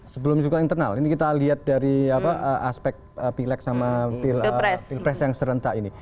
sebelum juga internal ini kita lihat dari aspek pileg sama pilpres yang serentak ini